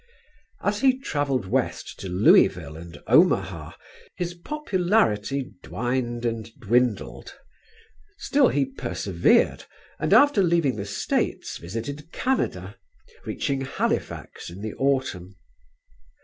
" As he travelled west to Louisville and Omaha his popularity dwined and dwindled. Still he persevered and after leaving the States visited Canada, reaching Halifax in the autumn.